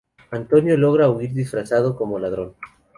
Antonio logra huir disfrazado como ladrón.